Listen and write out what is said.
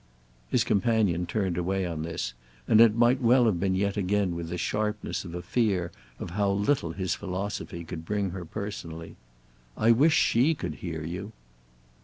His companion turned away on this, and it might well have been yet again with the sharpness of a fear of how little his philosophy could bring her personally. "I wish she could hear you!"